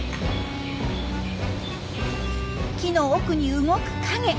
木の奥に動く影。